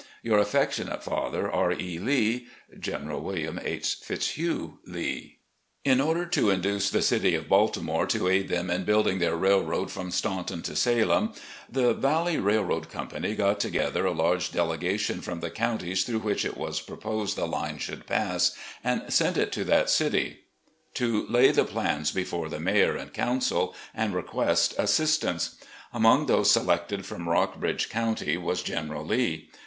" Your affectionate father, R. E. Lee. "General Wm. H. Fitzhugh Lee.'' In order to induce the city of Baltimore to aid them in building their railroad from Staimton to Salem, the Valley Railroad Company got together a large delegation from the counties through which it was proposed the line should pass, and sent it to that city to lay the plans before the mayor and council and request assistance. Among those selected from Rockbridge County was General Lee.